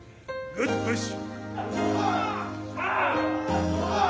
グッドプッシュ。